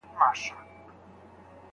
هغوی له خپلو ستونزو څخه نه تښتي.